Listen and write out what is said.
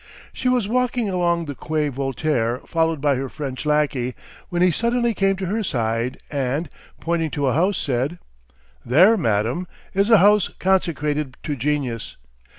She was walking along the Quai Voltaire, followed by her French lackey, when he suddenly came to her side and, pointing to a house, said: "There, madam, is a house consecrated to genius.